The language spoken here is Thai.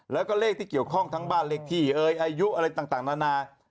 แล้วก็เลขที่เกี่ยวข้องทั้งบ้านเลขที่เอ่ยอายุอะไรต่างนานา